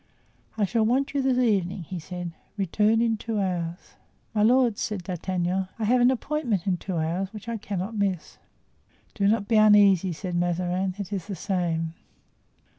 "I shall want you this evening," he said "Return in two hours." "My lord," said D'Artagnan, "I have an appointment in two hours which I cannot miss." "Do not be uneasy," said Mazarin; "it is the same."